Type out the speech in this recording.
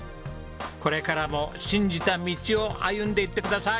これからも信じた道を歩んでいってください。